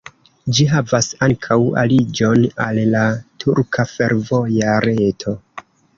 Ĝi havas ankaŭ aliĝon al la turka fervoja reto.